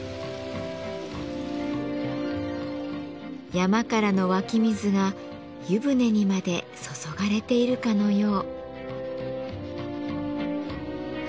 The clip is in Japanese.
山からの湧き水が湯船にまで注がれているかのよう。